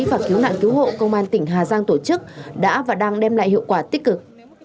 và cứu nạn cứu hộ công an tỉnh hà giang tổ chức đã và đang đem lại hiệu quả tích cực